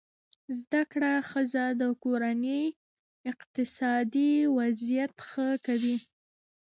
زده کړه ښځه د کورنۍ اقتصادي وضعیت ښه کوي.